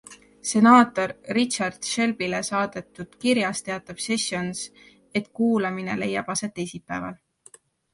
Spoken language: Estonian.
Senaator Richard Shelbyle saadetud kirjas teatab Sessions, et kuulamine leiab aset teisipäeval.